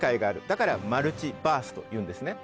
だからマルチバースというんですね。